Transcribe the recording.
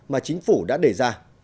mà chính phủ đã đề ra